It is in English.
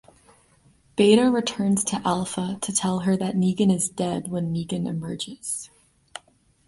Beta returns to Alpha to tell her that Negan is dead when Negan emerges.